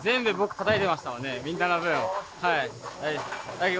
はい。